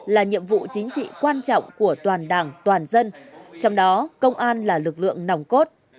là nhiệm vụ chính trị quan trọng của toàn đảng toàn dân trong đó công an là lực lượng nòng cốt